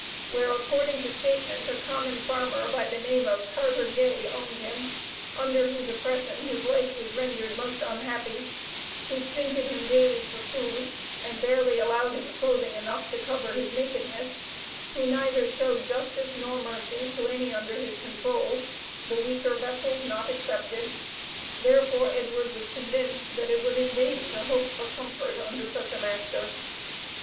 where, according to statement, a common farmer by the name of Carter Gay owned him, under whose oppression his life was rendered most unhappy, who stinted him daily for food and barely allowed him clothing enough to cover his nakedness, who neither showed justice nor mercy to any under his control, the 'weaker vessels' not excepted; therefore Edward was convinced that it was in vain to hope for comfort under such a master.